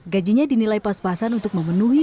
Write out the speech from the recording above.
gajinya dinilai pas pasan untuk memenuhi